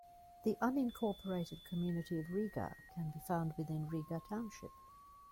The unincorporated community of Riga can be found within Riga Township.